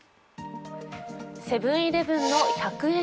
セブン−イレブンの１００円